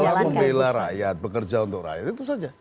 harus membela rakyat bekerja untuk rakyat itu saja